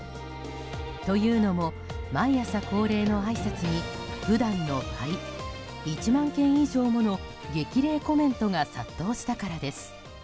というのも毎朝恒例のあいさつに普段の倍１万件以上もの激励コメントが殺到したからです。